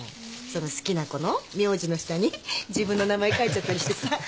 その好きな子の名字の下に自分の名前書いちゃったりしてさ。